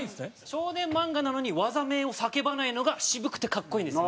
少年漫画なのに技名を叫ばないのが渋くて格好いいんです。